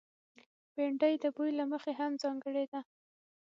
بېنډۍ د بوي له مخې هم ځانګړې ده